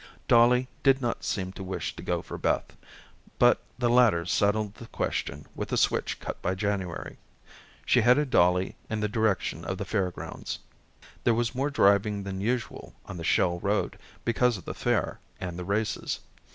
Dollie did not seem to wish to go for Beth, but the latter settled the question with a switch cut by January. She headed Dollie in the direction of the Fair grounds. There was more driving than usual on the shell road, because of the Fair and the races.